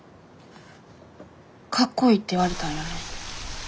かっこいいって言われたんよね。